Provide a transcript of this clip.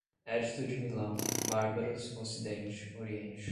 Édito de Milão, bárbaros, ocidente, oriente